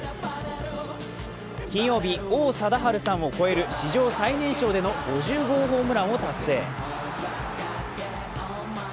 金曜日、王貞治さんを超える史上最年少での５０号ホームランを達成。